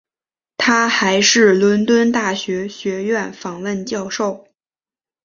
他还是伦敦大学学院访问教授。